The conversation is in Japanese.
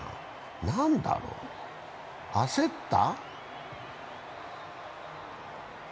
なんだろう、焦った？